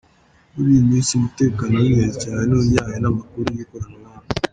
Muri iyi minsi umutekano w’ingenzi cyane ni ujyanye n’amakuru y’ikoranabuhanga.